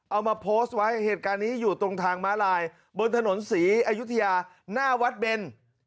เอามาโพสต์ไว้เหตุการณ์นี้อยู่ตรงทางม้าลายบนถนนศรีอยุธยาหน้าวัดเบน